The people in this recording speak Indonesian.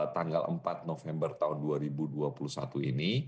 tanggal empat november tahun dua ribu dua puluh satu ini